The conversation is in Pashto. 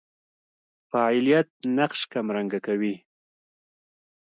فاعلیت نقش کمرنګه کوي.